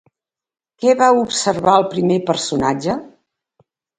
Què va observar el primer personatge?